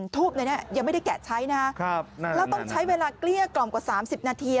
ทูบเลยนะยังไม่ได้แกะใช้นะครับแล้วต้องใช้เวลาเกลี้ยกล่อมกว่า๓๐นาที